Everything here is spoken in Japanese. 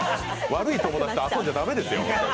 悪い友達と遊んじゃ駄目ですよ。